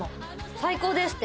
「最高です」って。